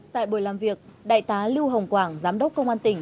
tại buổi làm việc đại tá lưu hồng quảng giám đốc công an tỉnh